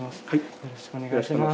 よろしくお願いします。